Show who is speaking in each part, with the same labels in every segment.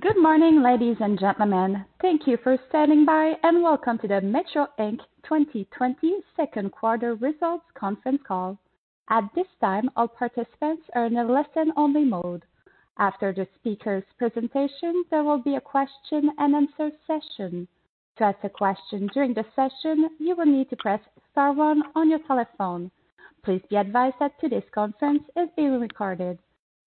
Speaker 1: Good morning, ladies and gentlemen. Thank you for standing by, and welcome to the Metro Inc. 2020 second quarter results conference call. At this time, all participants are in a listen-only mode. After the speaker's presentation, there will be a question-and-answer session. To ask a question during the session, you will need to press star one on your telephone. Please be advised that today's conference is being recorded.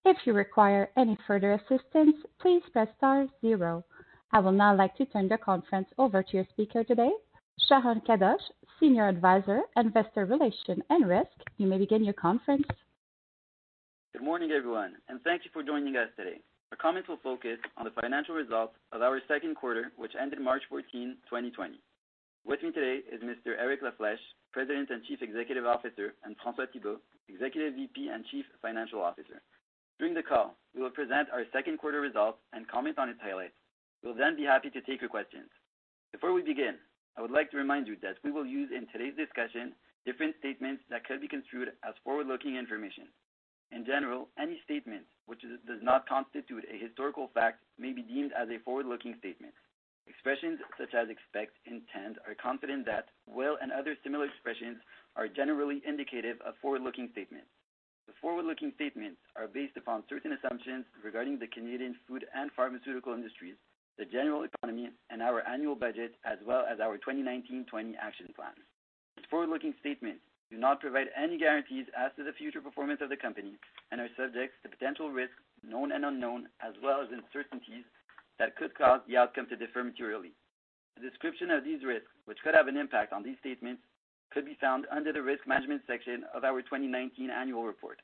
Speaker 1: If you require any further assistance, please press star zero. I would now like to turn the conference over to your speaker today, Sharon Kadoche, Senior Advisor, Investor Relations and Risk. You may begin your conference.
Speaker 2: Good morning, everyone, and thank you for joining us today. Our comments will focus on the financial results of our second quarter, which ended March 14, 2020. With me today is Mr. Eric La Flèche, President and Chief Executive Officer, and François Thibault, Executive VP and Chief Financial Officer. During the call, we will present our second quarter results and comment on its highlights. We'll then be happy to take your questions. Before we begin, I would like to remind you that we will use in today's discussion different statements that could be construed as forward-looking information. In general, any statement which does not constitute a historical fact may be deemed as a forward-looking statement. Expressions such as expect, intend, are confident that, will, and other similar expressions are generally indicative of forward-looking statements. The forward-looking statements are based upon certain assumptions regarding the Canadian food and pharmaceutical industries, the general economy, and our annual budget, as well as our 2019-20 action plan. These forward-looking statements do not provide any guarantees as to the future performance of the company and are subject to potential risks, known and unknown, as well as uncertainties that could cause the outcome to differ materially. A description of these risks, which could have an impact on these statements, could be found under the Risk Management section of our 2019 annual report.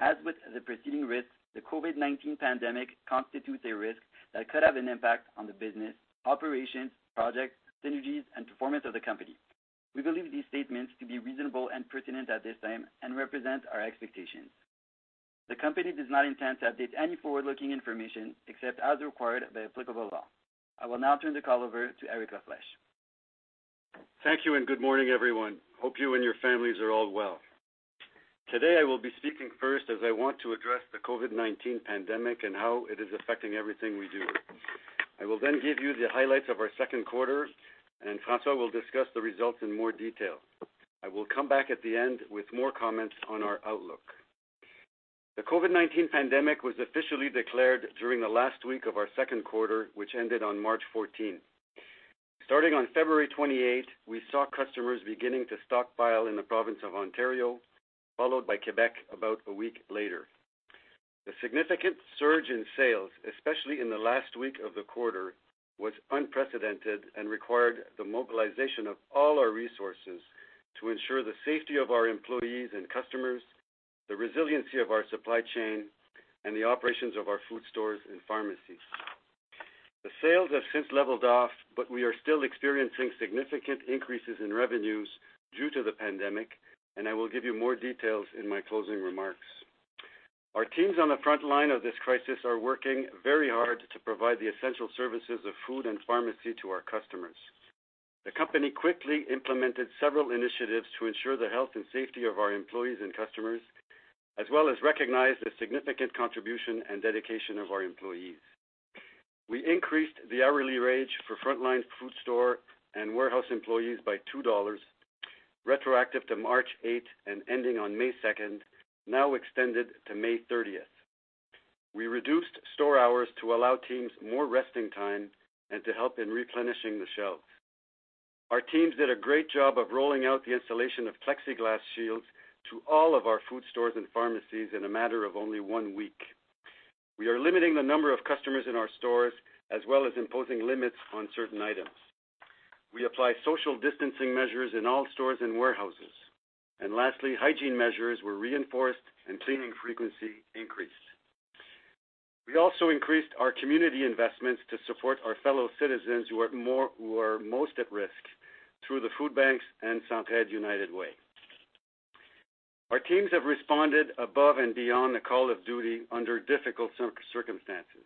Speaker 2: As with the preceding risks, the COVID-19 pandemic constitutes a risk that could have an impact on the business, operations, projects, synergies, and performance of the company. We believe these statements to be reasonable and pertinent at this time and represent our expectations. I will now turn the call over to Eric La Flèche.
Speaker 3: Thank you. Good morning, everyone. Hope you and your families are all well. Today, I will be speaking first as I want to address the COVID-19 pandemic and how it is affecting everything we do. I will then give you the highlights of our second quarter. Francois Thibault will discuss the results in more detail. I will come back at the end with more comments on our outlook. The COVID-19 pandemic was officially declared during the last week of our second quarter, which ended on March 14th. Starting on February 28th, we saw customers beginning to stockpile in the province of Ontario, followed by Quebec about a week later. The significant surge in sales, especially in the last week of the quarter, was unprecedented and required the mobilization of all our resources to ensure the safety of our employees and customers, the resiliency of our supply chain, and the operations of our food stores and pharmacies. The sales have since leveled off. We are still experiencing significant increases in revenues due to the pandemic. I will give you more details in my closing remarks. Our teams on the front line of this crisis are working very hard to provide the essential services of food and pharmacy to our customers. The company quickly implemented several initiatives to ensure the health and safety of our employees and customers, as well as recognize the significant contribution and dedication of our employees. We increased the hourly wage for frontline food store and warehouse employees by 2 dollars, retroactive to March 8th and ending on May 2nd, now extended to May 30th. We reduced store hours to allow teams more resting time and to help in replenishing the shelves. Our teams did a great job of rolling out the installation of plexiglass shields to all of our food stores and pharmacies in a matter of only one week. We are limiting the number of customers in our stores, as well as imposing limits on certain items. We apply social distancing measures in all stores and warehouses. Lastly, hygiene measures were reinforced and cleaning frequency increased. We also increased our community investments to support our fellow citizens who are most at risk through the food banks and Centraide United Way. Our teams have responded above and beyond the call of duty under difficult circumstances.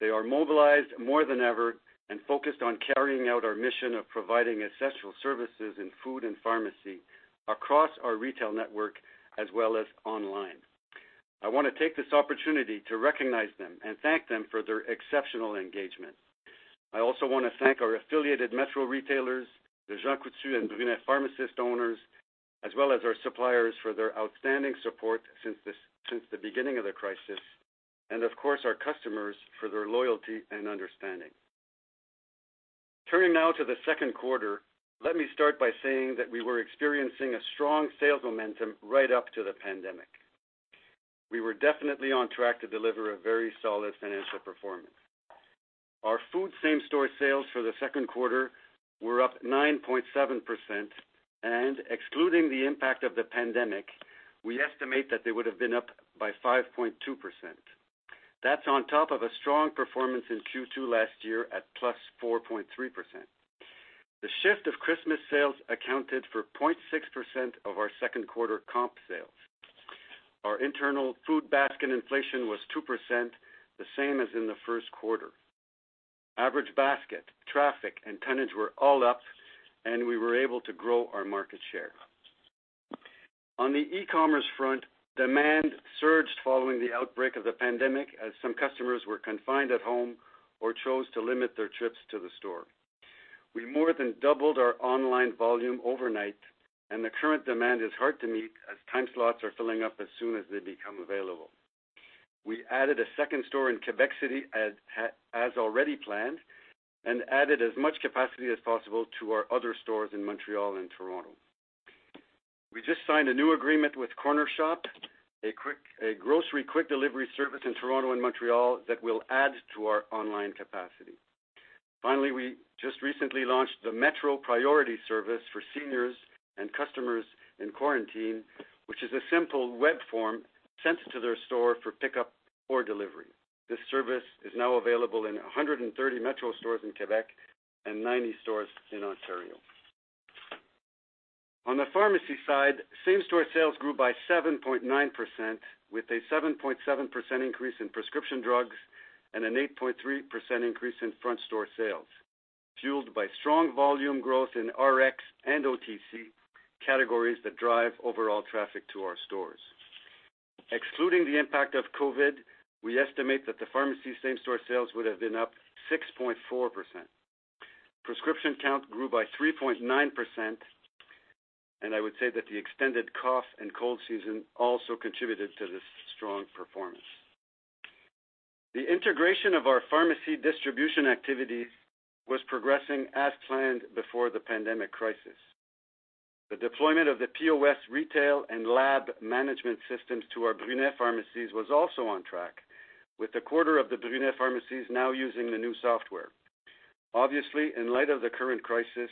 Speaker 3: They are mobilized more than ever and focused on carrying out our mission of providing essential services in food and pharmacy across our retail network as well as online. I want to take this opportunity to recognize them and thank them for their exceptional engagement. I also want to thank our affiliated Metro retailers, the Jean Coutu and Brunet pharmacist owners, as well as our suppliers for their outstanding support since the beginning of the crisis. Of course, our customers for their loyalty and understanding. Turning now to the second quarter, let me start by saying that we were experiencing a strong sales momentum right up to the pandemic. We were definitely on track to deliver a very solid financial performance. Our food same-store sales for the second quarter were up 9.7%. Excluding the impact of the pandemic, we estimate that they would've been up by 5.2%. That's on top of a strong performance in Q2 last year at +4.3%. The shift of Christmas sales accounted for 0.6% of our second quarter comp sales. Our internal food basket inflation was 2%, the same as in the first. Average basket, traffic, and tonnage were all up, and we were able to grow our market share. On the e-com front, demand surged following the outbreak of the pandemic, as some customers were confined at home or chose to limit their trips to the store. We more than doubled our online volume overnight, and the current demand is hard to meet as time slots are filling up as soon as they become available. We added a second store in Quebec City as already planned and added as much capacity as possible to our other stores in Montreal and Toronto. We just signed a new agreement with Cornershop, a grocery quick delivery service in Toronto and Montreal that will add to our online capacity. Finally, we just recently launched the Metro Priority service for seniors and customers in quarantine, which is a simple web form sent to their store for pickup or delivery. This service is now available in 130 Metro stores in Quebec and 90 stores in Ontario. On the pharmacy side, same-store sales grew by 7.9%, with a 7.7% increase in prescription drugs and an 8.3% increase in front-store sales, fueled by strong volume growth in Rx and OTC categories that drive overall traffic to our stores. Excluding the impact of COVID, we estimate that the pharmacy's same-store sales would have been up 6.4%. Prescription count grew by 3.9%, and I would say that the extended cough and cold season also contributed to this strong performance. The integration of our pharmacy distribution activities was progressing as planned before the pandemic crisis. The deployment of the POS retail and lab management systems to our Brunet pharmacies was also on track, with a quarter of the Brunet pharmacies now using the new software. Obviously, in light of the current crisis,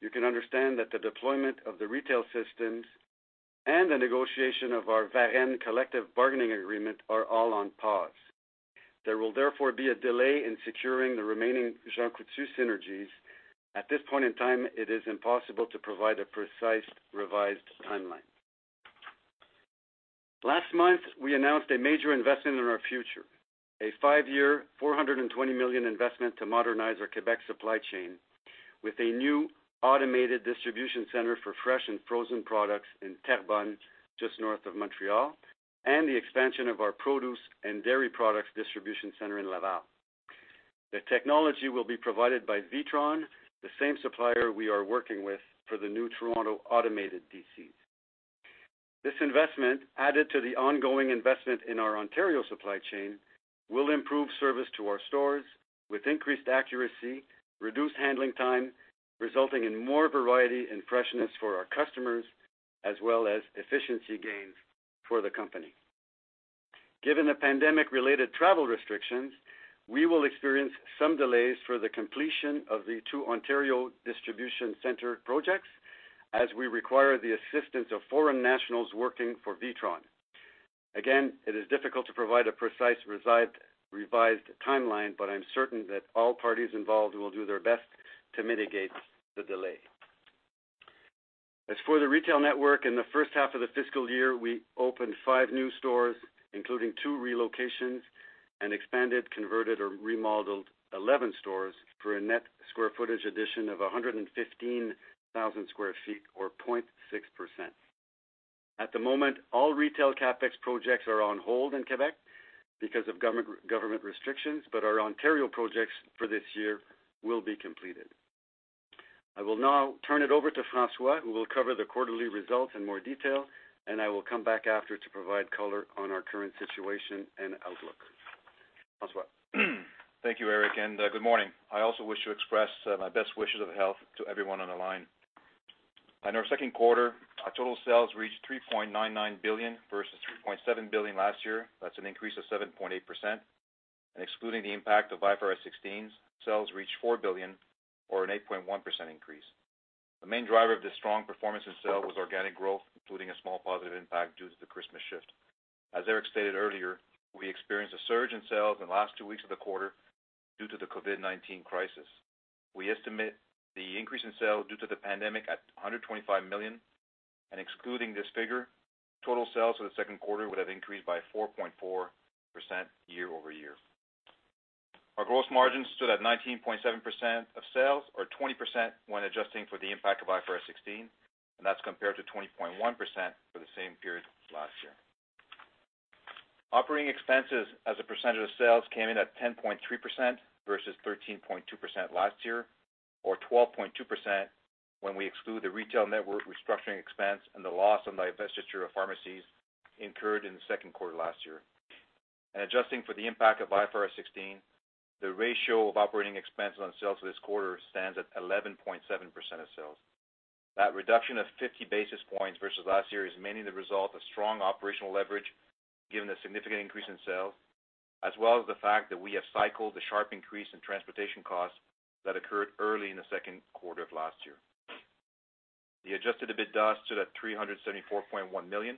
Speaker 3: you can understand that the deployment of the retail systems and the negotiation of our Varennes collective bargaining agreement are all on pause. There will therefore be a delay in securing the remaining Jean Coutu synergies. At this point in time, it is impossible to provide a precise revised timeline. Last month, we announced a major investment in our future, a five-year, 420 million investment to modernize our Quebec supply chain with a new automated distribution center for fresh and frozen products in Terrebonne, just north of Montreal, and the expansion of our produce and dairy products distribution center in Laval. The technology will be provided by Witron, the same supplier we are working with for the new Toronto automated DCs. This investment, added to the ongoing investment in our Ontario supply chain, will improve service to our stores with increased accuracy, reduced handling time, resulting in more variety and freshness for our customers, as well as efficiency gains for the company. Given the pandemic-related travel restrictions, we will experience some delays for the completion of the two Ontario distribution center projects, as we require the assistance of foreign nationals working for Witron. Again, it is difficult to provide a precise revised timeline, but I'm certain that all parties involved will do their best to mitigate the delay. As for the retail network, in the first half of the fiscal year, we opened five new stores, including two relocations, and expanded, converted, or remodeled 11 stores for a net square footage addition of 115,000 square feet or 0.6%. At the moment, all retail CapEx projects are on hold in Quebec because of government restrictions, but our Ontario projects for this year will be completed. I will now turn it over to François, who will cover the quarterly results in more detail, and I will come back after to provide color on our current situation and outlook. François?
Speaker 4: Thank you, Eric, and good morning. I also wish to express my best wishes of health to everyone on the line. In our second quarter, our total sales reached 3.99 billion versus 3.7 billion last year. That's an increase of 7.8%. Excluding the impact of IFRS 16, sales reached 4 billion or an 8.1% increase. The main driver of this strong performance in sales was organic growth, including a small positive impact due to the Christmas shift. As Eric stated earlier, we experienced a surge in sales in the last two weeks of the quarter due to the COVID-19 crisis. We estimate the increase in sales due to the pandemic at 125 million, and excluding this figure, total sales for the second quarter would have increased by 4.4% year-over-year. Our gross margin stood at 19.7% of sales, or 20% when adjusting for the impact of IFRS 16, and that's compared to 20.1% for the same period last year. Operating expenses as a percentage of sales came in at 10.3% versus 13.2% last year, or 12.2% when we exclude the retail network restructuring expense and the loss on the divestiture of pharmacies incurred in the second quarter last year. Adjusting for the impact of IFRS 16, the ratio of operating expenses on sales for this quarter stands at 11.7% of sales. That reduction of 50 basis points versus last year is mainly the result of strong operational leverage given the significant increase in sales, as well as the fact that we have cycled the sharp increase in transportation costs that occurred early in the second quarter of last year. The adjusted EBITDA stood at 374.1 million.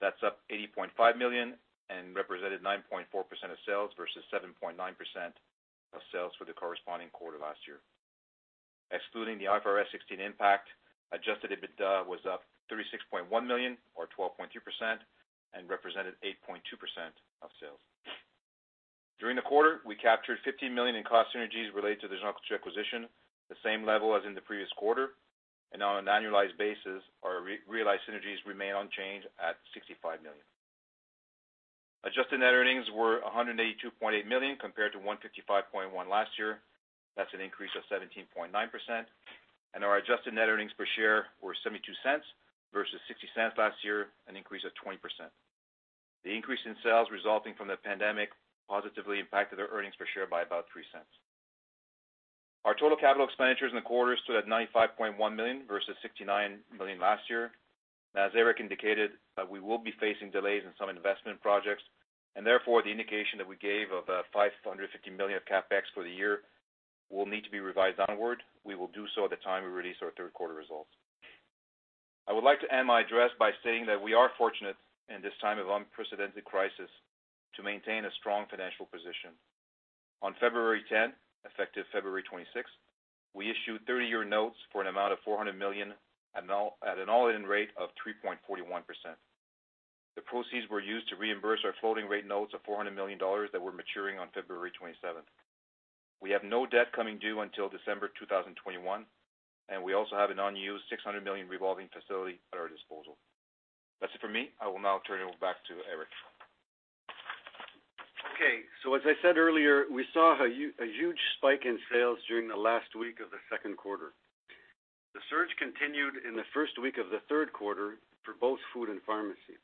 Speaker 4: That's up 80.5 million and represented 9.4% of sales versus 7.9% of sales for the corresponding quarter last year. Excluding the IFRS 16 impact, adjusted EBITDA was up 36.1 million or 12.2% and represented 8.2% of sales. During the quarter, we captured 15 million in cost synergies related to the Jean Coutu acquisition, the same level as in the previous quarter, and on an annualized basis, our realized synergies remain unchanged at CAD 65 million. Adjusted net earnings were CAD 182.8 million compared to CAD 155.1 last year. That's an increase of 17.9%, and our adjusted net earnings per share were 0.72 versus 0.60 last year, an increase of 20%. The increase in sales resulting from the pandemic positively impacted our earnings per share by about 0.03. Our total capital expenditures in the quarter stood at 95.1 million, versus 69 million last year. As Eric indicated, we will be facing delays in some investment projects. Therefore, the indication that we gave of 550 million of CapEx for the year will need to be revised downward. We will do so at the time we release our third quarter results. I would like to end my address by saying that we are fortunate in this time of unprecedented crisis to maintain a strong financial position. On February 10th, effective February 26th, we issued 30-year notes for an amount of 400 million at an all-in rate of 3.41%. The proceeds were used to reimburse our floating rate notes of 400 million dollars that were maturing on February 27th. We have no debt coming due until December 2021, and we also have an unused 600 million revolving facility at our disposal. That's it for me. I will now turn it over back to Eric.
Speaker 3: As I said earlier, we saw a huge spike in sales during the last week of the second quarter. The surge continued in the first week of the third quarter for both food and pharmacy.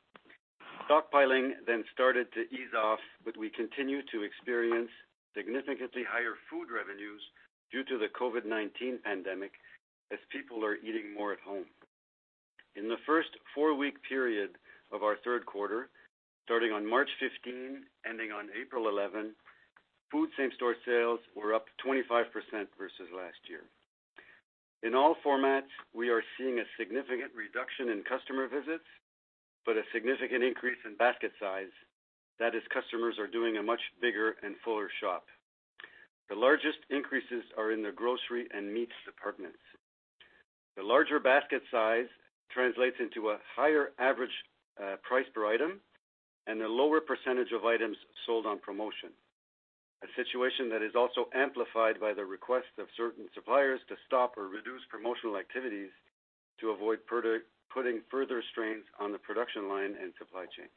Speaker 3: Stockpiling then started to ease off, but we continue to experience significantly higher food revenues due to the COVID-19 pandemic, as people are eating more at home. In the first four-week period of our third quarter, starting on March 15, ending on April 11, food same-store sales were up 25% versus last year. In all formats, we are seeing a significant reduction in customer visits, but a significant increase in basket size, that is, customers are doing a much bigger and fuller shop. The largest increases are in the grocery and meats departments. The larger basket size translates into a higher average price per item and a lower percentage of items sold on promotion, a situation that is also amplified by the request of certain suppliers to stop or reduce promotional activities to avoid putting further strains on the production line and supply chain.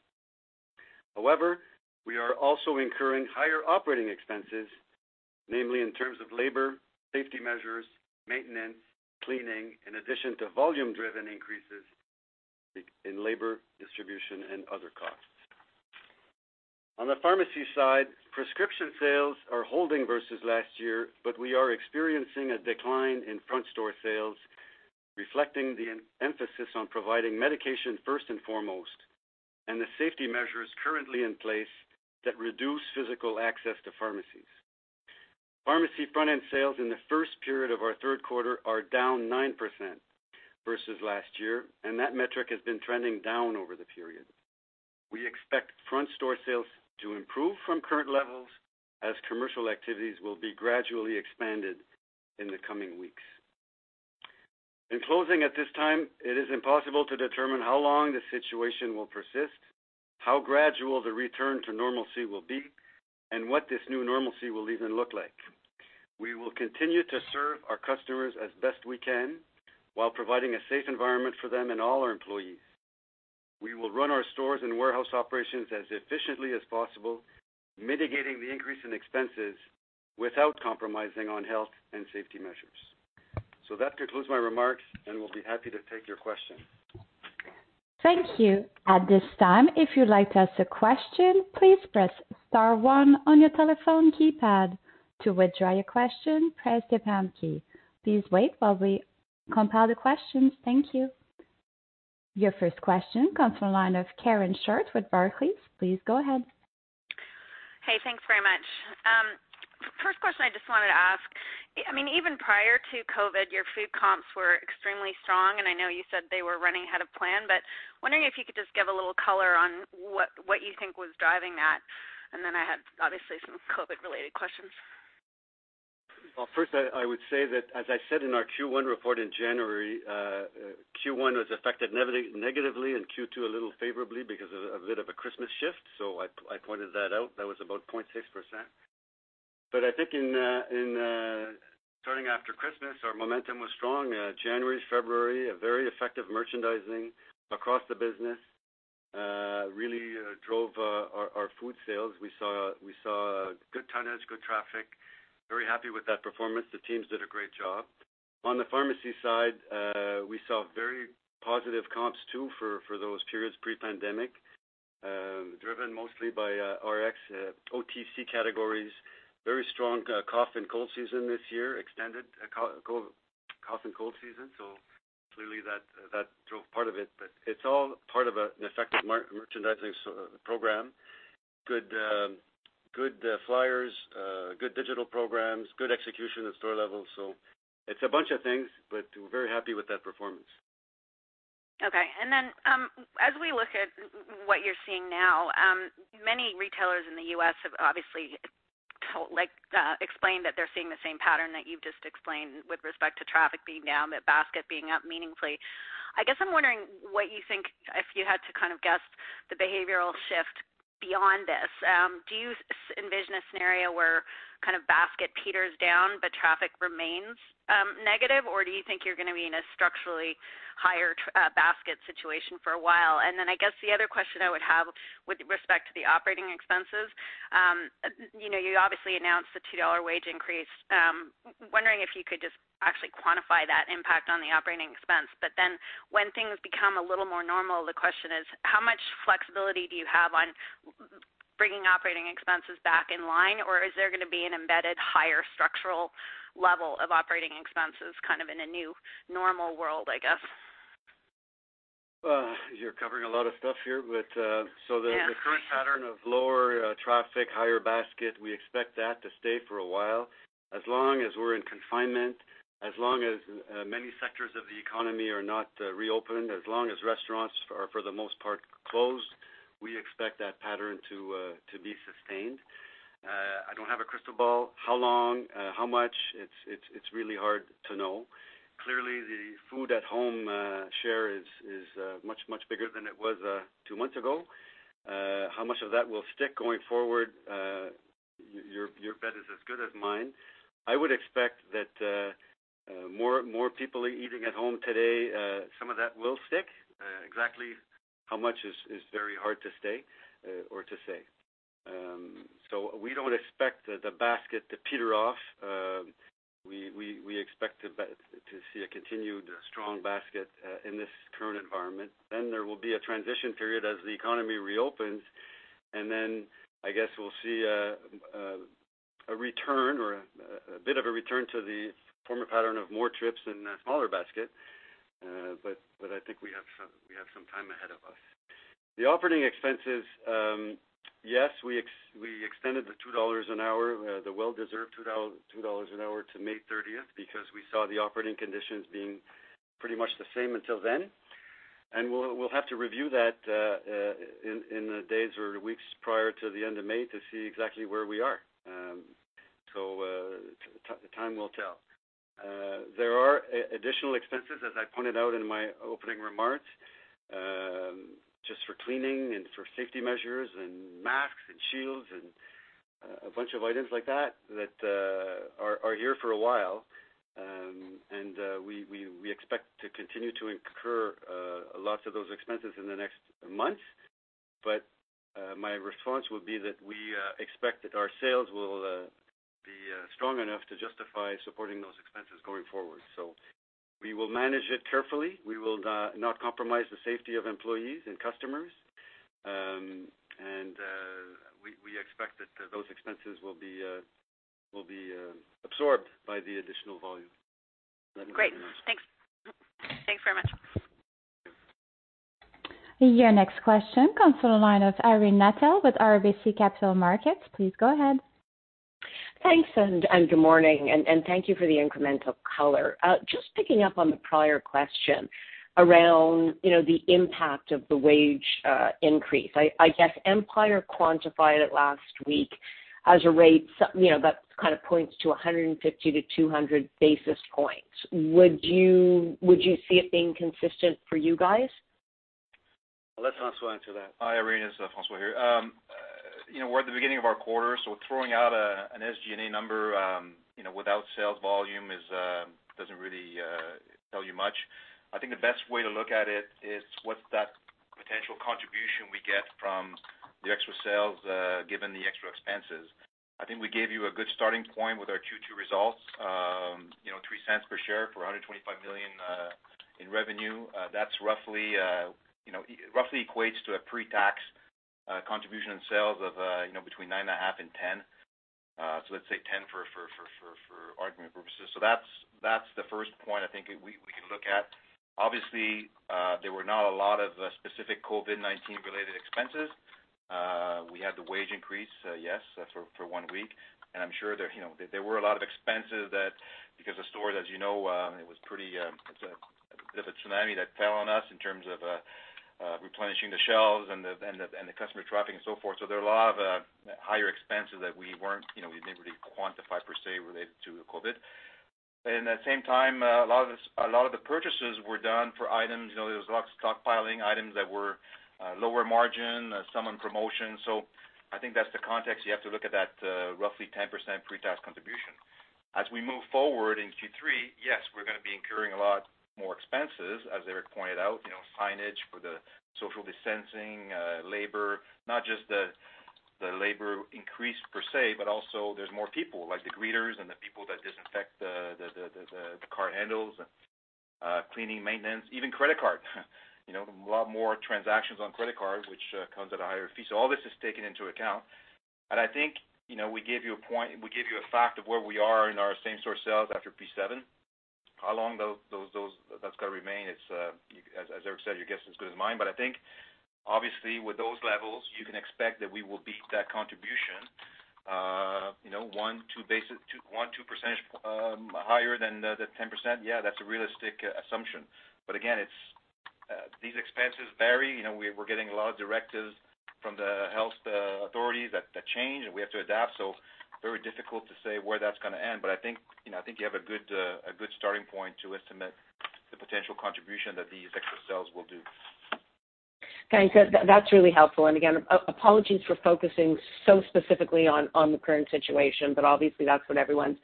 Speaker 3: We are also incurring higher operating expenses, namely in terms of labor, safety measures, maintenance, cleaning, in addition to volume-driven increases in labor distribution and other costs. On the pharmacy side, prescription sales are holding versus last year, but we are experiencing a decline in front-store sales, reflecting the emphasis on providing medication first and foremost, and the safety measures currently in place that reduce physical access to pharmacies. Pharmacy front-end sales in the first period of our third quarter are down 9% versus last year. That metric has been trending down over the period. We expect front-store sales to improve from current levels as commercial activities will be gradually expanded in the coming weeks. In closing, at this time, it is impossible to determine how long this situation will persist, how gradual the return to normalcy will be, and what this new normalcy will even look like. We will continue to serve our customers as best we can while providing a safe environment for them and all our employees. We will run our stores and warehouse operations as efficiently as possible, mitigating the increase in expenses without compromising on health and safety measures. That concludes my remarks, and we will be happy to take your questions.
Speaker 1: Thank you. At this time, if you'd like to ask a question, please press star one on your telephone keypad. To withdraw your question, press the pound key. Please wait while we compile the questions. Thank you. Your first question comes from the line of Karen Short with Barclays. Please go ahead.
Speaker 5: Hey, thanks very much. First question I just wanted to ask, even prior to COVID, your food comps were extremely strong, and I know you said they were running ahead of plan, but wondering if you could just give a little color on what you think was driving that. Then I had, obviously, some COVID-related questions.
Speaker 3: First, I would say that, as I said in our Q1 report in January, Q1 was affected negatively and Q2 a little favorably because of a bit of a Christmas shift. I pointed that out. That was about 0.6%. But I think starting after Christmas, our momentum was strong. January, February, a very effective merchandising across the business really drove our food sales. We saw good tonnage, good traffic. Very happy with that performance. The teams did a great job. On the pharmacy side, we saw very positive comps, too, for those periods pre-pandemic, driven mostly by Rx, OTC categories, very strong cough and cold season this year, extended cough and cold season, so clearly that drove part of it, but it's all part of an effective merchandising program. Good flyers, good digital programs, good execution at store level. It's a bunch of things, but we're very happy with that performance.
Speaker 5: Okay. As we look at what you're seeing now, many retailers in the U.S. have obviously explained that they're seeing the same pattern that you've just explained with respect to traffic being down, but basket being up meaningfully. I guess I'm wondering what you think, if you had to guess the behavioral shift beyond this, do you envision a scenario where basket peters down but traffic remains negative, or do you think you're going to be in a structurally higher basket situation for a while? I guess the other question I would have with respect to the operating expenses, you obviously announced the 2 dollar wage increase. Wondering if you could just actually quantify that impact on the operating expense. When things become a little more normal, the question is how much flexibility do you have on bringing operating expenses back in line, or is there going to be an embedded higher structural level of operating expenses in a new normal world, I guess?
Speaker 3: You're covering a lot of stuff here.
Speaker 5: Yeah
Speaker 3: The current pattern of lower traffic, higher basket, we expect that to stay for a while. As long as we're in confinement, as long as many sectors of the economy are not reopened, as long as restaurants are, for the most part, closed, we expect that pattern to be sustained. I don't have a crystal ball, how long, how much, it's really hard to know. Clearly, the food-at-home share is much, much bigger than it was two months ago. How much of that will stick going forward? Your bet is as good as mine. I would expect that more people are eating at home today, some of that will stick. Exactly how much is very hard to say. We don't expect the basket to peter off. We expect to see a continued strong basket in this current environment. There will be a transition period as the economy reopens, I guess we'll see a return or a bit of a return to the former pattern of more trips and a smaller basket. I think we have some time ahead of us. The operating expenses, yes, we extended the well-deserved 2 dollars an hour to May 30th because we saw the operating conditions being pretty much the same until then. We'll have to review that in the days or weeks prior to the end of May to see exactly where we are. Time will tell. There are additional expenses, as I pointed out in my opening remarks, just for cleaning and for safety measures and masks and shields and a bunch of items like that are here for a while. We expect to continue to incur lots of those expenses in the next month. My response would be that we expect that our sales will be strong enough to justify supporting those expenses going forward. We will manage it carefully. We will not compromise the safety of employees and customers. We expect that those expenses will be absorbed by the additional volume.
Speaker 5: Great. Thanks. Thanks very much.
Speaker 3: Thank you.
Speaker 1: Your next question comes from the line of Irene Nattel with RBC Capital Markets. Please go ahead.
Speaker 6: Thanks, good morning, and thank you for the incremental color. Just picking up on the prior question around the impact of the wage increase. I guess Empire quantified it last week as a rate that points to 150 to 200 basis points. Would you see it being consistent for you guys?
Speaker 3: Let François answer that.
Speaker 4: Hi, Irene. It's François here. We're at the beginning of our quarter, so throwing out an SG&A number without sales volume doesn't really tell you much. I think the best way to look at it is what's that potential contribution we get from the extra sales, given the extra expenses. I think we gave you a good starting point with our Q2 results, 0.03 per share for 125 million in revenue. That roughly equates to a pre-tax contribution in sales of between 9.5% and 10%. Let's say 10% for argument purposes. That's the first point I think we can look at. Obviously, there were not a lot of specific COVID-19 related expenses. We had the wage increase, yes, for one week. I'm sure there were a lot of expenses that because the stores, as you know, it was a bit of a tsunami that fell on us in terms of replenishing the shelves and the customer traffic and so forth. There are a lot of higher expenses that we didn't really quantify per se related to COVID. At the same time, a lot of the purchases were done for items, there was a lot of stockpiling items that were lower margin, some on promotion. I think that's the context you have to look at that roughly 10% pre-tax contribution. As we move forward in Q3, yes, we're going to be incurring a lot more expenses, as Eric pointed out, signage for the social distancing, labor, not just the labor increase per se, but also there's more people like the greeters and the people that disinfect the cart handles and cleaning, maintenance, even credit card a lot more transactions on credit card, which comes at a higher fee. All this is taken into account, I think we gave you a fact of where we are in our same store sales after P7. How long that's going to remain, as Eric said, your guess is as good as mine. I think obviously with those levels, you can expect that we will beat that contribution
Speaker 3: 1%, 2% higher than the 10%. Yeah, that's a realistic assumption. Again, these expenses vary. We're getting a lot of directives from the health authorities that change, we have to adapt, very difficult to say where that's going to end. I think you have a good starting point to estimate the potential contribution that these extra sales will do.
Speaker 6: Thanks. That's really helpful. Again, apologies for focusing so specifically on the current situation, obviously that's what everyone's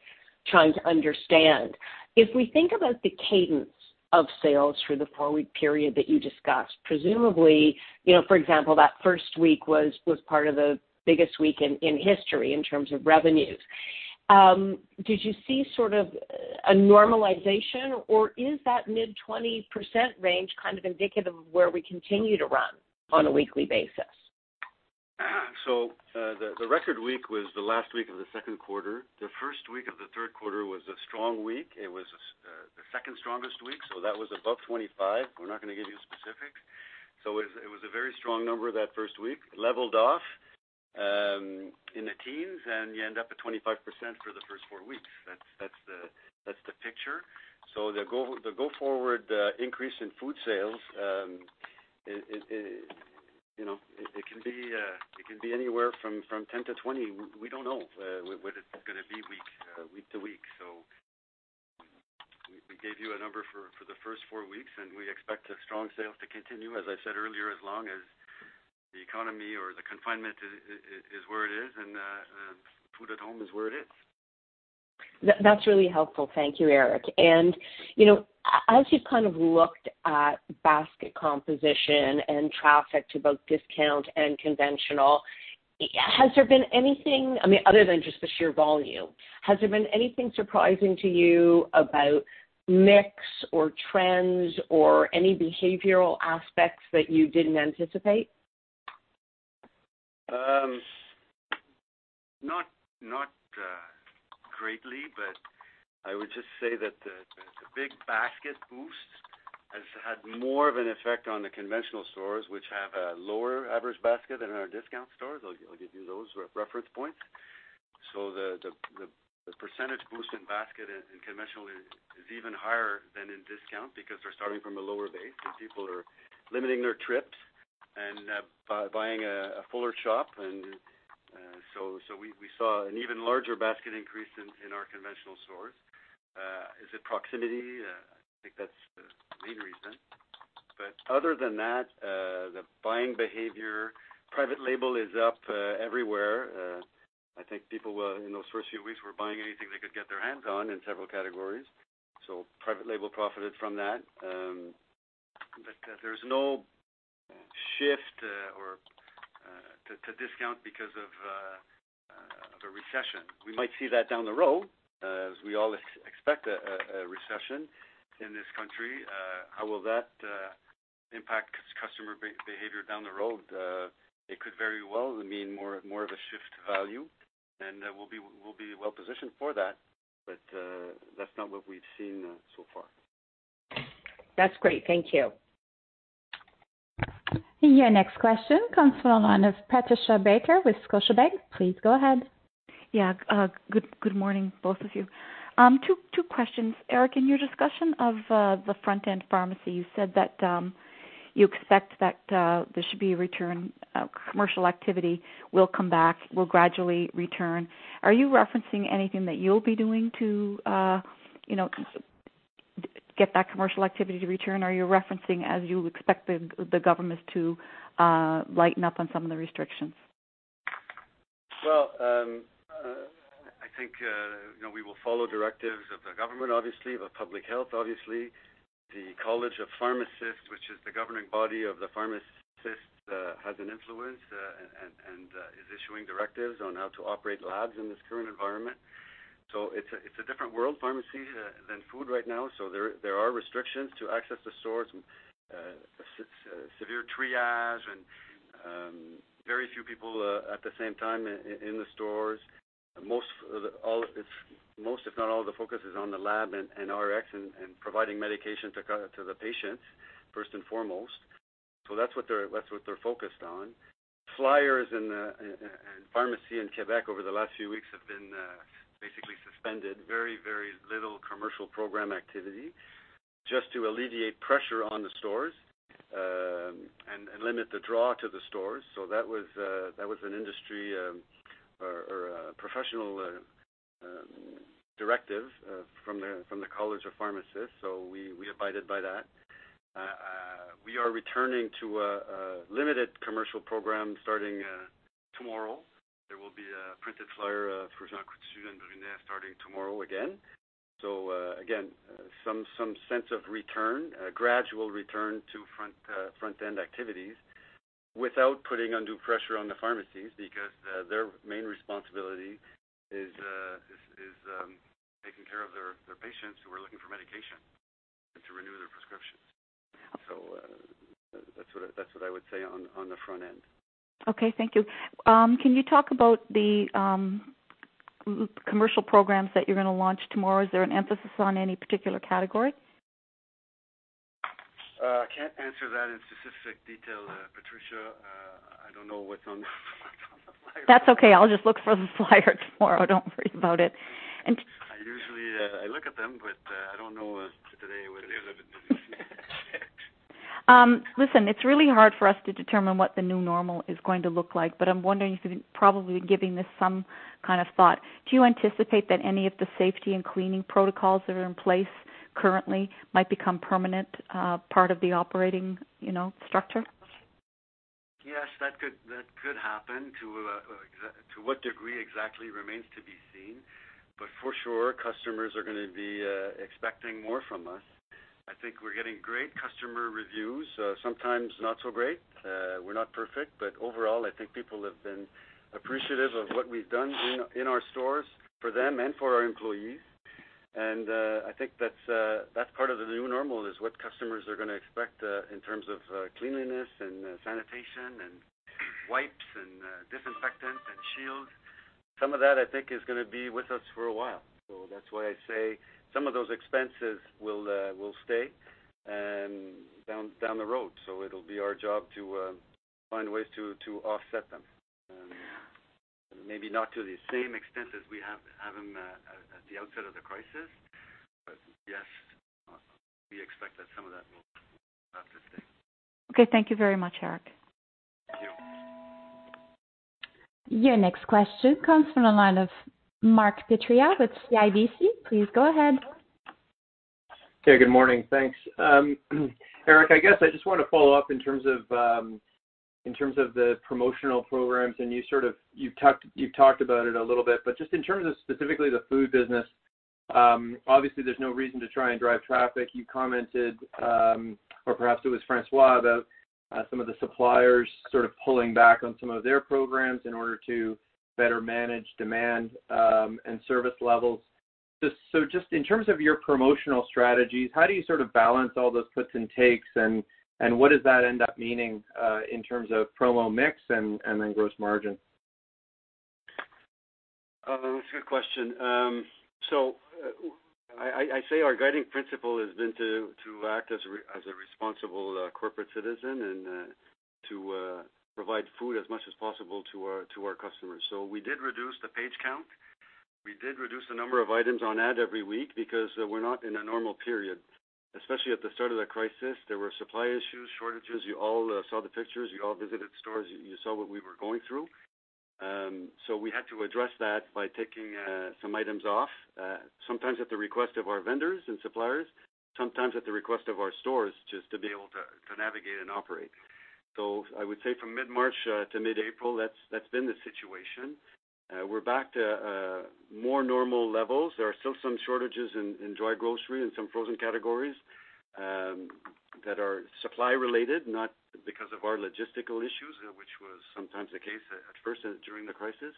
Speaker 6: trying to understand. If we think about the cadence of sales for the four-week period that you discussed, presumably, for example, that first week was part of the biggest week in history in terms of revenues. Did you see sort of a normalization, or is that mid 20% range kind of indicative of where we continue to run on a weekly basis?
Speaker 3: The record week was the last week of the second quarter. The first week of the third quarter was a strong week. It was the second strongest week, that was above 25%. We're not going to give you specifics. It was a very strong number that first week. Leveled off in the teens, and you end up at 25% for the first four weeks. That's the picture. The go-forward increase in food sales, it can be anywhere from 10%-20%. We don't know what it's going to be week to week. We gave you a number for the first four weeks, and we expect strong sales to continue, as I said earlier, as long as the economy or the confinement is where it is and food at home is where it is.
Speaker 6: That's really helpful. Thank you, Eric La Flèche. As you've kind of looked at basket composition and traffic to both discount and conventional, has there been anything, other than just the sheer volume, has there been anything surprising to you about mix or trends or any behavioral aspects that you didn't anticipate?
Speaker 3: Not greatly, I would just say that the big basket boost has had more of an effect on the conventional stores, which have a lower average basket than our discount stores. I'll give you those reference points. The percentage boost in basket in conventional is even higher than in discount because they're starting from a lower base, and people are limiting their trips and buying a fuller shop. We saw an even larger basket increase in our conventional stores. Is it proximity? I think that's the main reason. Other than that, the buying behavior, private label is up everywhere. I think people, in those first few weeks, were buying anything they could get their hands on in several categories, private label profited from that. There's no shift to discount because of a recession. We might see that down the road, as we all expect a recession in this country. How will that impact customer behavior down the road? It could very well mean more of a shift to value, and we'll be well-positioned for that. That's not what we've seen so far.
Speaker 6: That's great. Thank you.
Speaker 1: Your next question comes from the line of Patricia Baker with Scotiabank. Please go ahead.
Speaker 7: Good morning, both of you. Two questions. Eric, in your discussion of the front-end pharmacy, you said that you expect that there should be a return, commercial activity will gradually return. Are you referencing anything that you'll be doing to get that commercial activity to return, or are you referencing as you expect the government to lighten up on some of the restrictions?
Speaker 3: I think we will follow directives of the government, obviously, of public health, obviously. The College of Pharmacists, which is the governing body of the pharmacists, has an influence and is issuing directives on how to operate labs in this current environment. It's a different world, pharmacy than food right now. There are restrictions to access the stores, severe triage, and very few people at the same time in the stores. Most, if not all, of the focus is on the lab and Rx and providing medication to the patients first and foremost. That's what they're focused on. Flyers and pharmacy in Quebec over the last few weeks have been basically suspended. Very little commercial program activity, just to alleviate pressure on the stores and limit the draw to the stores. That was an industry or a professional directive from the College of Pharmacists, so we abided by that. We are returning to a limited commercial program starting tomorrow. There will be a printed flyer for Jean Coutu and Brunet starting tomorrow again. Again, some sense of return, a gradual return to front-end activities without putting undue pressure on the pharmacies because their main responsibility is taking care of their patients who are looking for medication and to renew their prescriptions. That's what I would say on the front end.
Speaker 7: Okay. Thank you. Can you talk about the commercial programs that you're going to launch tomorrow? Is there an emphasis on any particular category?
Speaker 3: I can't answer that in specific detail, Patricia. I don't know what's on the flyer.
Speaker 7: That's okay. I'll just look for the flyer tomorrow. Don't worry about it.
Speaker 3: I usually look at them, but I don't know as to today whether they have it.
Speaker 7: Listen, it's really hard for us to determine what the new normal is going to look like, but I'm wondering, because you've probably given this some kind of thought. Do you anticipate that any of the safety and cleaning protocols that are in place currently might become permanent part of the operating structure?
Speaker 3: Yes, that could happen. To what degree exactly remains to be seen. For sure, customers are going to be expecting more from us. I think we're getting great customer reviews. Sometimes not so great. We're not perfect, but overall, I think people have been appreciative of what we've done in our stores for them and for our employees. I think that's part of the new normal is what customers are going to expect, in terms of cleanliness and sanitation and wipes and disinfectant and shields. Some of that, I think, is going to be with us for a while. That's why I say some of those expenses will stay down the road. It'll be our job to find ways to offset them. Maybe not to the same extent as we have had them at the outset of the crisis. Yes, we expect that some of that will have to stay.
Speaker 7: Okay. Thank you very much, Eric.
Speaker 3: Thank you.
Speaker 1: Your next question comes from the line of Mark Petrie with CIBC. Please go ahead.
Speaker 8: Okay, good morning. Thanks. Eric, I just want to follow up in terms of the promotional programs, and you've talked about it a little bit, but just in terms of specifically the food business, obviously there's no reason to try and drive traffic. You commented, or perhaps it was François, about some of the suppliers sort of pulling back on some of their programs in order to better manage demand and service levels. Just in terms of your promotional strategies, how do you sort of balance all those gives and takes and what does that end up meaning, in terms of promo mix and then gross margin?
Speaker 3: That's a good question. I say our guiding principle has been to act as a responsible corporate citizen and to provide food as much as possible to our customers. We did reduce the page count. We did reduce the number of items on ad every week because we're not in a normal period, especially at the start of the crisis, there were supply issues, shortages, you all saw the pictures, you all visited stores, you saw what we were going through. We had to address that by taking some items off, sometimes at the request of our vendors and suppliers, sometimes at the request of our stores, just to be able to navigate and operate. I would say from mid-March to mid-April, that's been the situation. We're back to more normal levels. There are still some shortages in dry grocery and some frozen categories, that are supply related, not because of our logistical issues, which was sometimes the case at first during the crisis.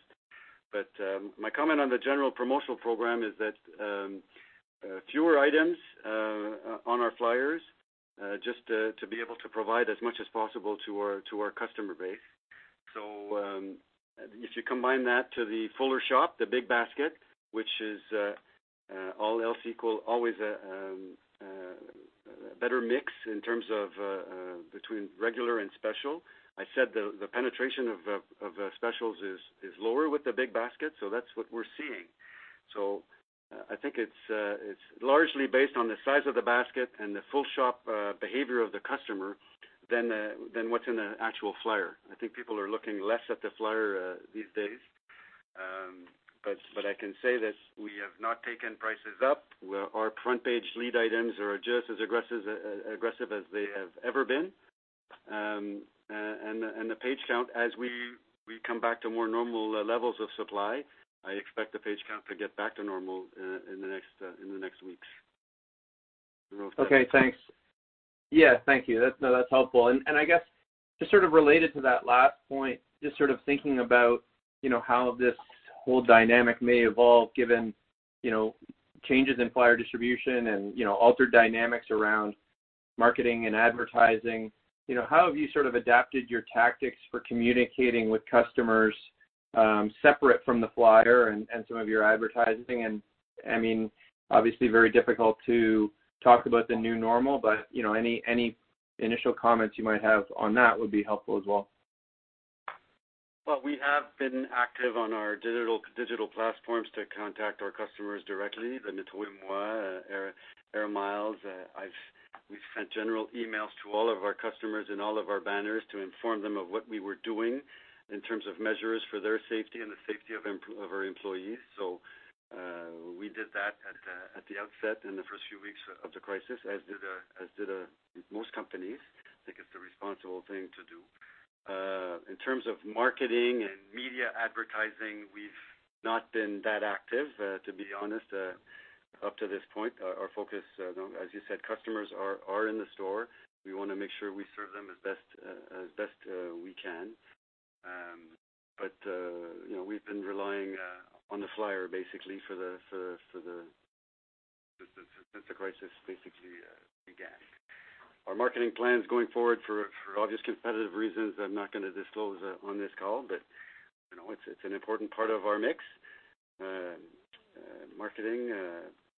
Speaker 3: My comment on the general promotional program is that fewer items on our flyers, just to be able to provide as much as possible to our customer base. If you combine that to the fuller shop, the big basket, which is all else equal, always a better mix in terms of between regular and special. I said the penetration of specials is lower with the big basket, that's what we're seeing. I think it's largely based on the size of the basket and the full shop behavior of the customer than what's in the actual flyer. I think people are looking less at the flyer these days. I can say this, we have not taken prices up. Our front page lead items are just as aggressive as they have ever been. The page count, as we come back to more normal levels of supply, I expect the page count to get back to normal in the next weeks.
Speaker 8: Okay, thanks. Yeah, thank you. That's helpful. I guess just sort of related to that last point, just sort of thinking about how this whole dynamic may evolve given changes in flyer distribution and altered dynamics around marketing and advertising. How have you sort of adapted your tactics for communicating with customers, separate from the flyer and some of your advertising and obviously very difficult to talk about the new normal, any initial comments you might have on that would be helpful as well.
Speaker 3: Well, we have been active on our digital platforms to contact our customers directly, the Metro & Moi, AIR MILES. We've sent general emails to all of our customers in all of our banners to inform them of what we were doing in terms of measures for their safety and the safety of our employees. We did that at the outset in the first few weeks of the crisis, as did most companies. I think it's the responsible thing to do. In terms of marketing and media advertising, we've not been that active, to be honest, up to this point. Our focus, as you said, customers are in the store. We want to make sure we serve them as best we can. We've been relying on the flyer since the crisis began. Our marketing plans going forward, for obvious competitive reasons, I'm not going to disclose on this call, it's an important part of our mix. Marketing,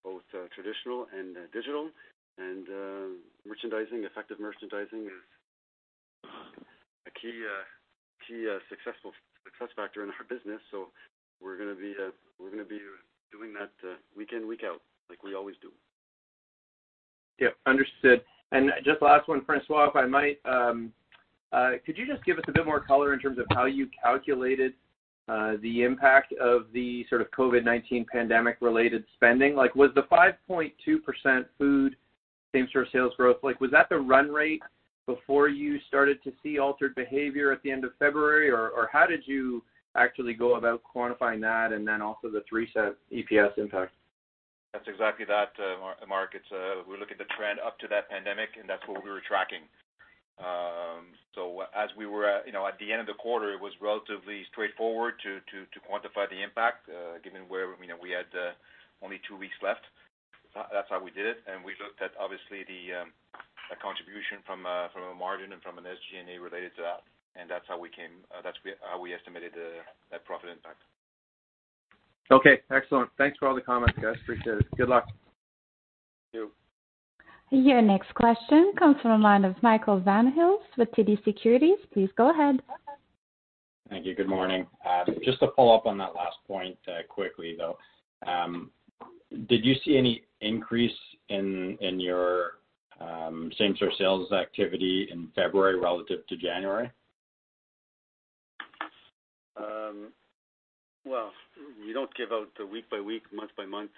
Speaker 3: both traditional and digital, and merchandising. Effective merchandising is a key success factor in our business. We're going to be doing that week in, week out, like we always do.
Speaker 8: Yep, understood. Just last one, François, if I might, could you just give us a bit more color in terms of how you calculated the impact of the sort of COVID-19 pandemic related spending? Was the 5.2% food same store sales growth, was that the run rate before you started to see altered behavior at the end of February? Or how did you actually go about quantifying that, and then also the 0.03 EPS impact?
Speaker 4: That's exactly that, Mark. We look at the trend up to that pandemic, that's what we were tracking. As we were at the end of the quarter, it was relatively straightforward to quantify the impact, given where we had only two weeks left. That's how we did it, we looked at, obviously, the contribution from a margin and from an SG&A related to that's how we estimated that profit impact.
Speaker 8: Okay, excellent. Thanks for all the comments, guys. Appreciate it. Good luck.
Speaker 4: Thank you.
Speaker 1: Your next question comes from the line of Michael Van Aelst with TD Securities. Please go ahead.
Speaker 9: Thank you. Good morning. Just to follow up on that last point quickly, though, did you see any increase in your same store sales activity in February relative to January?
Speaker 3: Well, we don't give out the week-by-week, month-by-month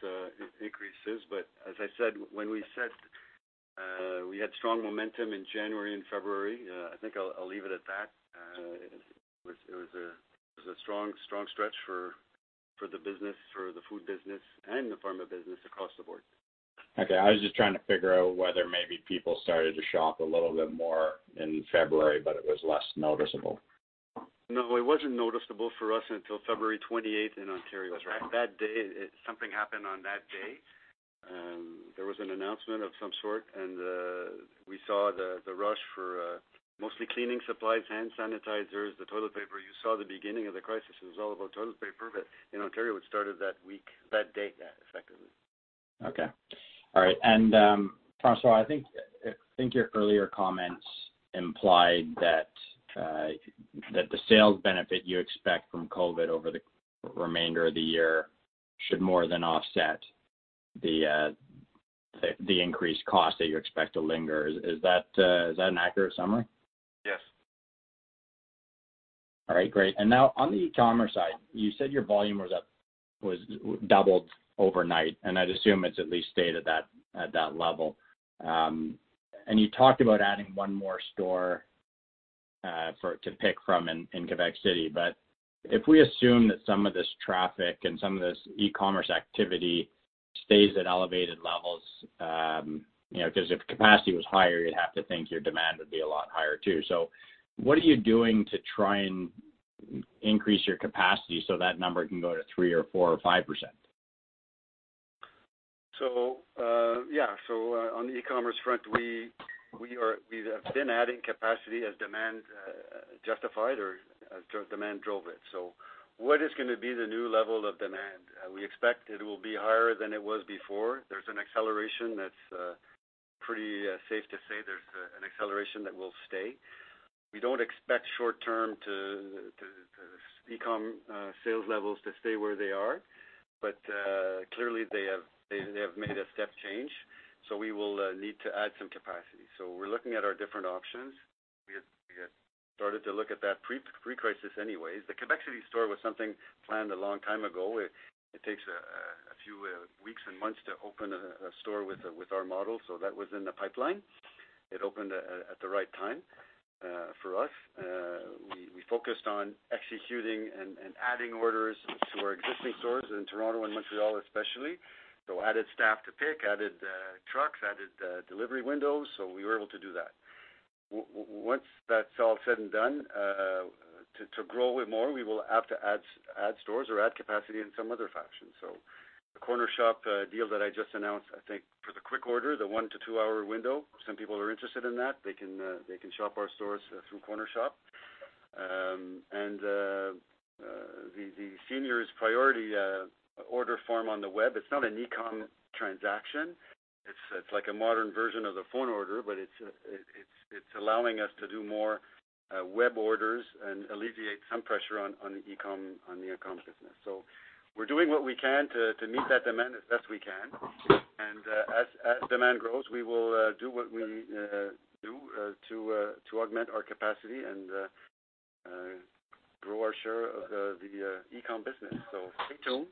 Speaker 3: increases, as I said, when we said we had strong momentum in January and February, I think I'll leave it at that. It was a strong stretch for the business, for the food business and the pharma business across the board.
Speaker 9: Okay, I was just trying to figure out whether maybe people started to shop a little bit more in February, it was less noticeable.
Speaker 3: No, it wasn't noticeable for us until February 28th in Ontario.
Speaker 4: That's right.
Speaker 3: That day, something happened on that day. There was an announcement of some sort, and we saw the rush for mostly cleaning supplies, hand sanitizers, the toilet paper. You saw the beginning of the crisis, it was all about toilet paper. In Ontario, it started that week, that day effectively.
Speaker 9: Okay. All right. François, I think your earlier comments implied that the sales benefit you expect from COVID over the remainder of the year should more than offset the increased cost that you expect to linger. Is that an accurate summary?
Speaker 4: Yes.
Speaker 9: All right, great. Now on the e-commerce side, you said your volume was doubled overnight, and I'd assume it's at least stayed at that level. You talked about adding one more store to pick from in Quebec City. If we assume that some of this traffic and some of this e-commerce activity stays at elevated levels, because if capacity was higher, you'd have to think your demand would be a lot higher, too. What are you doing to try and increase your capacity so that number can go to 3% or 4% or 5%?
Speaker 3: Yeah. On the e-commerce front, we have been adding capacity as demand justified or as demand drove it. What is going to be the new level of demand? We expect it will be higher than it was before. There's an acceleration that's pretty safe to say there's an acceleration that will stay. We don't expect short-term e-com sales levels to stay where they are, but clearly they have made a step change, we will need to add some capacity. We're looking at our different options. We had started to look at that pre-crisis anyways. The Quebec City store was something planned a long time ago. It takes a few weeks and months to open a store with our model. That was in the pipeline. It opened at the right time for us. We focused on executing and adding orders to our existing stores in Toronto and Montreal especially. Added staff to pick, added trucks, added delivery windows, so we were able to do that. Once that's all said and done, to grow it more, we will have to add stores or add capacity in some other fashion. The Cornershop deal that I just announced, I think for the quick order, the 1 to 2-hour window, some people are interested in that. They can shop our stores through Cornershop. The seniors priority order form on the web, it's not an e-com transaction. It's like a modern version of the phone order, but it's allowing us to do more web orders and alleviate some pressure on the e-com business. We're doing what we can to meet that demand as best we can, and as demand grows, we will do what we do to augment our capacity and grow our share of the e-com business. Stay tuned.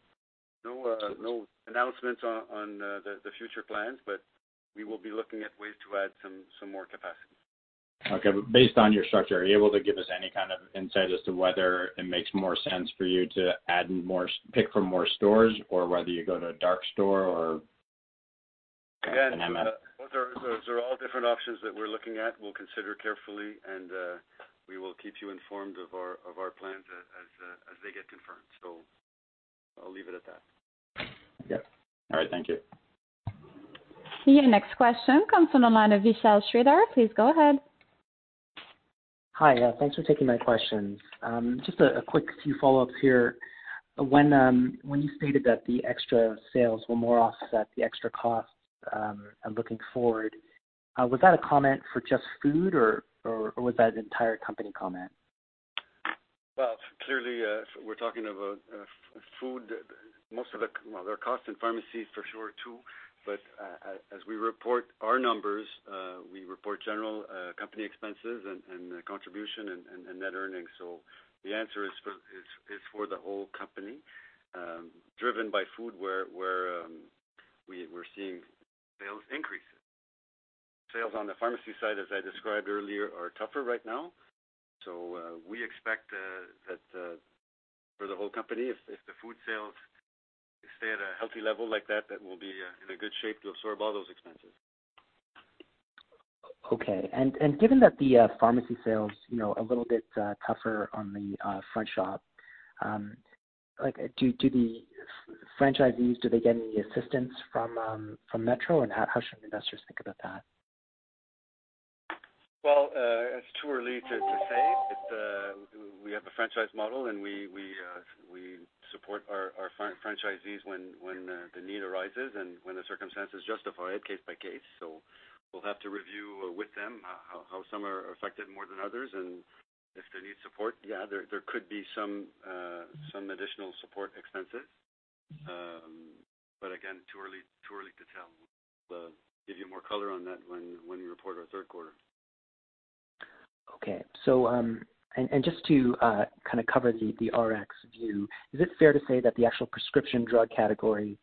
Speaker 3: No announcements on the future plans, but we will be looking at ways to add some more capacity.
Speaker 9: Okay. Based on your structure, are you able to give us any kind of insight as to whether it makes more sense for you to pick from more stores or whether you go to a dark store or an MFC?
Speaker 3: Those are all different options that we're looking at. We'll consider carefully, and we will keep you informed of our plans as they get confirmed. I'll leave it at that.
Speaker 9: Yep. All right. Thank you.
Speaker 1: Your next question comes from the line of Vishal Shreedhar. Please go ahead.
Speaker 10: Hi. Thanks for taking my questions. Just a quick few follow-ups here. When you stated that the extra sales will more offset the extra costs looking forward, was that a comment for just food, or was that an entire company comment?
Speaker 3: Clearly, we're talking about food. Well, their cost in pharmacy for sure, too. As we report our numbers, we report general company expenses and contribution and net earnings. The answer is for the whole company, driven by food, where we're seeing sales increases. Sales on the pharmacy side, as I described earlier, are tougher right now. We expect that for the whole company, if the food sales stay at a healthy level like that we'll be in a good shape to absorb all those expenses.
Speaker 10: Given that the pharmacy sales a little bit tougher on the front shop, do the franchisees, do they get any assistance from Metro, and how should investors think about that?
Speaker 3: It's too early to say. We have a franchise model, and we support our franchisees when the need arises and when the circumstances justify it, case by case. We'll have to review with them how some are affected more than others and if they need support. Yeah, there could be some additional support expenses. Again, too early to tell. We'll give you more color on that when we report our third quarter.
Speaker 10: Just to cover the Rx view, is it fair to say that the actual prescription drug category,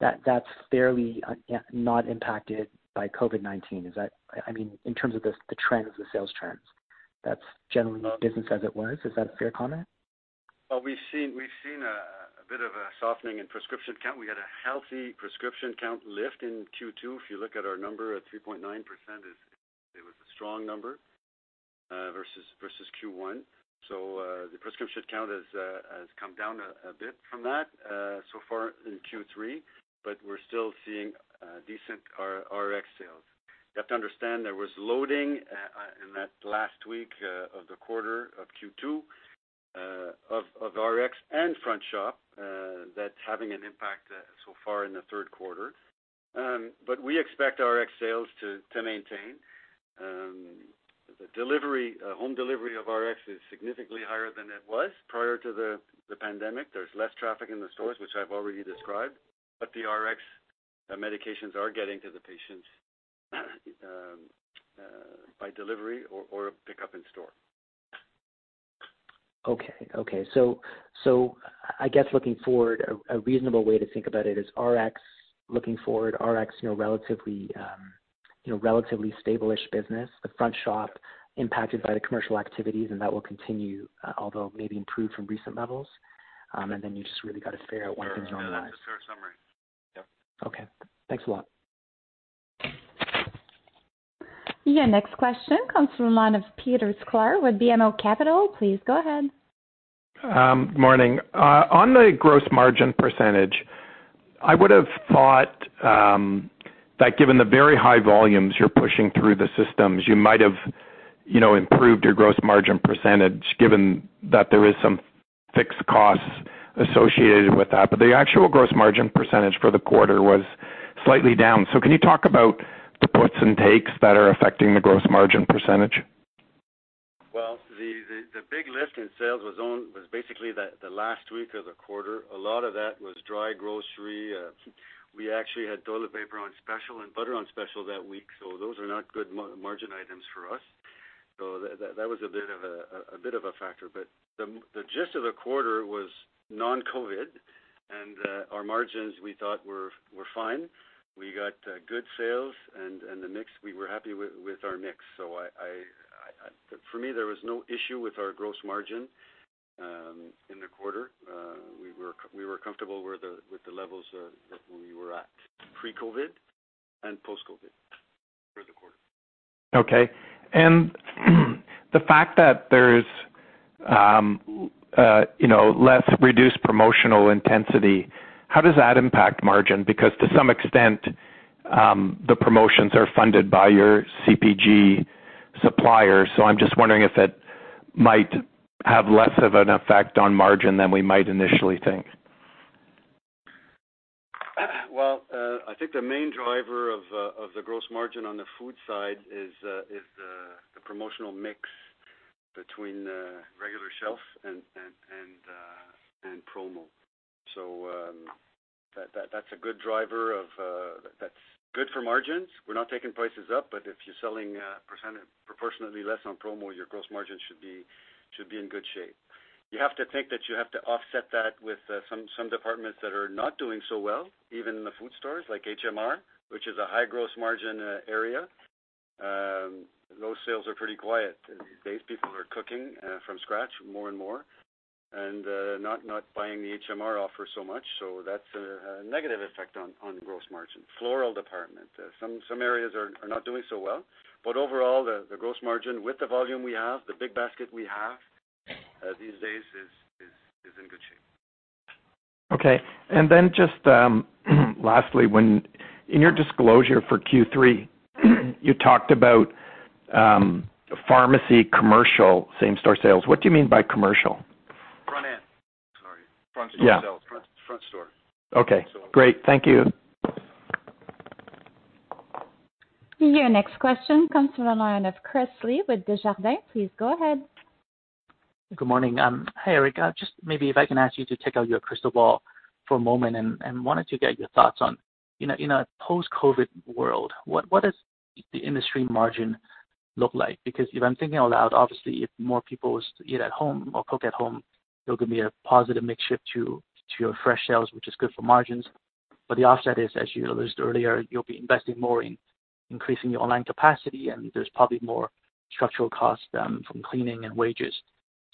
Speaker 10: that's fairly not impacted by COVID-19? I mean, in terms of the trends, the sales trends, that's generally business as it was. Is that a fair comment?
Speaker 3: We've seen a bit of a softening in prescription count. We had a healthy prescription count lift in Q2. If you look at our number at 3.9%, it was a strong number versus Q1. The prescription count has come down a bit from that so far in Q3, we're still seeing decent Rx sales. You have to understand, there was loading in that last week of the quarter of Q2 of Rx and front shop that's having an impact so far in the third quarter. We expect Rx sales to maintain. Home delivery of Rx is significantly higher than it was prior to the pandemic. There's less traffic in the stores, which I've already described, the Rx medications are getting to the patients by delivery or pickup in store.
Speaker 10: I guess looking forward, a reasonable way to think about it is looking forward, Rx, relatively stable-ish business. The front shop impacted by the commercial activities, that will continue, although maybe improved from recent levels. You just really got to figure out what happens online.
Speaker 3: Yeah, that's a fair summary. Yep.
Speaker 10: Okay, thanks a lot.
Speaker 1: Your next question comes from the line of Peter Sklar with BMO Capital. Please go ahead.
Speaker 11: Morning. On the gross margin percentage, I would've thought that given the very high volumes you're pushing through the systems, you might have improved your gross margin percentage, given that there is some fixed costs associated with that. The actual gross margin percentage for the quarter was slightly down. Can you talk about the puts and takes that are affecting the gross margin percentage?
Speaker 3: Well, the big lift in sales was basically the last week of the quarter. A lot of that was dry grocery. We actually had toilet paper on special and butter on special that week, those are not good margin items for us. That was a bit of a factor. The gist of the quarter was non-COVID, and our margins, we thought, were fine. We got good sales and the mix, we were happy with our mix. For me, there was no issue with our gross margin in the quarter. We were comfortable with the levels that we were at pre-COVID and post-COVID for the quarter.
Speaker 11: Okay. The fact that there is less reduced promotional intensity, how does that impact margin? To some extent, the promotions are funded by your CPG suppliers. I'm just wondering if it might have less of an effect on margin than we might initially think.
Speaker 3: Well, I think the main driver of the gross margin on the food side is the promotional mix between regular shelf and promo. That's good for margins. We're not taking prices up, if you're selling proportionately less on promo, your gross margin should be in good shape. You have to think that you have to offset that with some departments that are not doing so well, even in the food stores, like HMR, which is a high gross margin area. Those sales are pretty quiet these days. People are cooking from scratch more and more and not buying the HMR offer so much. That's a negative effect on gross margin. Floral department. Some areas are not doing so well, overall, the gross margin with the volume we have, the big basket we have these days is in good shape.
Speaker 11: Okay. Then just lastly, in your disclosure for Q3, you talked about pharmacy commercial same-store sales. What do you mean by commercial?
Speaker 3: Front end, sorry.
Speaker 11: Yeah.
Speaker 3: Front store sales. Front store.
Speaker 11: Okay, great. Thank you.
Speaker 1: Your next question comes from the line of Chris Li with Desjardins. Please go ahead.
Speaker 12: Good morning. Hey, Eric. Just maybe if I can ask you to take out your crystal ball for a moment and wanted to get your thoughts on, in a post-COVID world, what does the industry margin look like? If I'm thinking out loud, obviously, if more people was to eat at home or cook at home, it'll give me a positive mix shift to your fresh sales, which is good for margins. The offset is, as you listed earlier, you'll be investing more in increasing your online capacity, and there's probably more structural costs from cleaning and wages.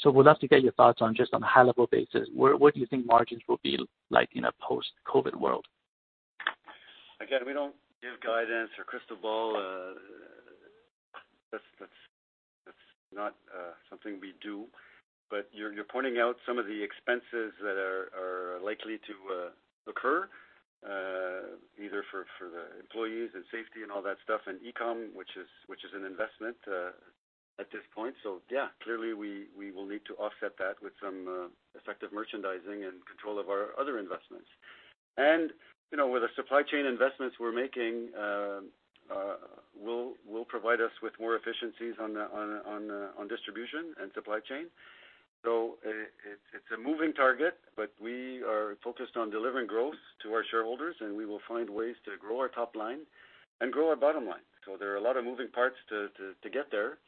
Speaker 12: Would love to get your thoughts on just on a high-level basis, what do you think margins will be like in a post-COVID world?
Speaker 3: Again, we don't give guidance or crystal ball. That's not something we do. You're pointing out some of the expenses that are likely to occur, either for the employees and safety and all that stuff, and e-com, which is an investment at this point. Yeah, clearly, we will need to offset that with some effective merchandising and control of our other investments. With the supply chain investments we're making will provide us with more efficiencies on distribution and supply chain. It's a moving target, but we are focused on delivering growth to our shareholders, and we will find ways to grow our top line and grow our bottom line. There are a lot of moving parts to get there,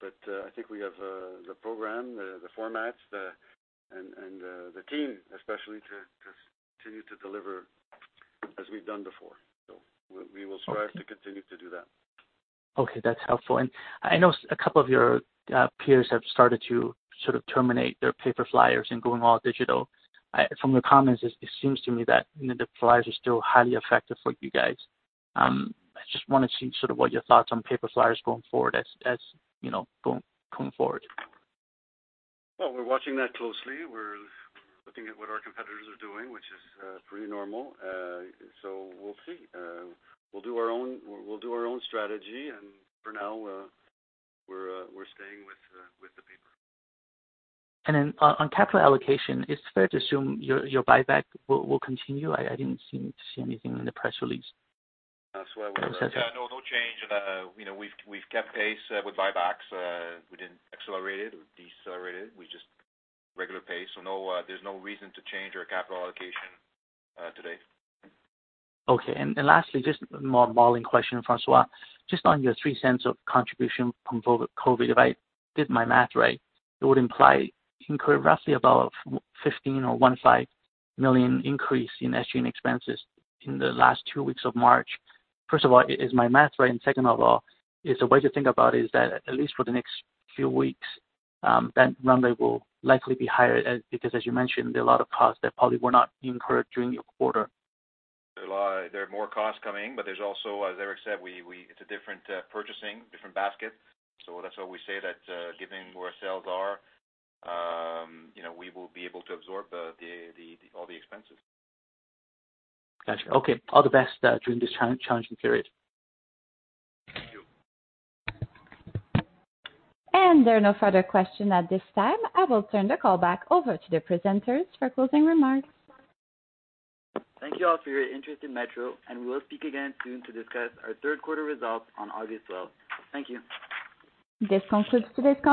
Speaker 3: but I think we have the program, the formats, and the team, especially to continue to deliver as we've done before. We will strive to continue to do that.
Speaker 12: Okay, that's helpful. I know a couple of your peers have started to sort of terminate their paper flyers and going all digital. From your comments, it seems to me that the flyers are still highly effective for you guys. I just want to see sort of what your thoughts on paper flyers going forward.
Speaker 3: We're watching that closely. We're looking at what our competitors are doing, which is pretty normal. We'll see. We'll do our own strategy. For now, we're staying with the paper.
Speaker 12: On capital allocation, it's fair to assume your buyback will continue? I didn't seem to see anything in the press release.
Speaker 3: That's why-
Speaker 12: I'm sorry.
Speaker 3: No change. We've kept pace with buybacks. We didn't accelerate it or decelerate it. We just regular pace, so there's no reason to change our capital allocation today.
Speaker 12: Okay. Lastly, just more modeling question, François, just on your 0.03 of contribution from COVID. If I did my math right, it would imply roughly about 15 million increase in SG&A expenses in the last two weeks of March. First of all, is my math right? Second of all, is the way to think about it is that at least for the next few weeks, that runway will likely be higher, because as you mentioned, there are a lot of costs that probably were not incurred during your quarter.
Speaker 4: There are more costs coming, there's also, as Eric said, it's a different purchasing, different basket. That's why we say that given where sales are, we will be able to absorb all the expenses.
Speaker 12: Got you. Okay. All the best during this challenging period.
Speaker 3: Thank you.
Speaker 1: There are no further questions at this time. I will turn the call back over to the presenters for closing remarks.
Speaker 2: Thank you all for your interest in Metro, and we will speak again soon to discuss our third quarter results on August 12th. Thank you.
Speaker 1: This concludes today's call.